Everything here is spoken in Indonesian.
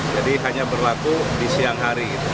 jadi hanya berlaku di siang hari